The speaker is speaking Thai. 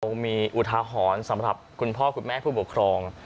อะโหมีอุทหะหอนสำหรับคุณพ่อคุณแม่ผู้ปกครอง